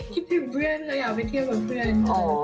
คิดถึงเพื่อนเราอยากไปเที่ยวกับเพื่อน